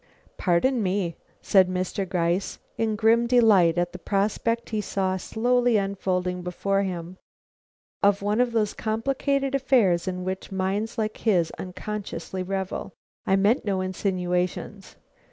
"Pardon me," said Mr. Gryce, in grim delight at the prospect he saw slowly unfolding before him of one of those complicated affairs in which minds like his unconsciously revel; "I meant no insinuations.